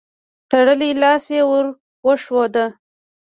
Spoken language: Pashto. تړلی لاس يې ور وښود.